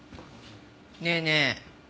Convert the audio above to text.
ねえねえ